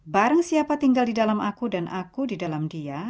barang siapa tinggal di dalam aku dan aku di dalam dia